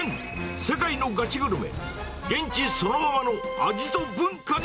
世界のガチグルメ。